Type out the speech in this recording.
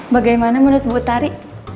bagaimana menurut bu tari